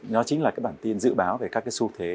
nó chính là bản tin dự báo về các xu thế